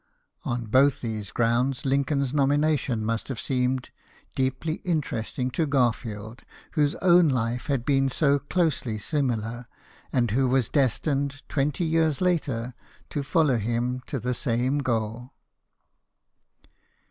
On both these grounds, Lincoln's nomination must have been deeply interesting to Garfield, whose own life had been so closely similar, and who was destined, twenty years later, to follow him to the same goal.